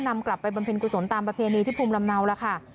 นำกลับไปบรรเภณกุศลตามประเพณีที่ภูมิลำเนาล่ะค่ะ